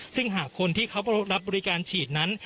ซึ่งหากคนที่เขารับบริการฉีดนั้น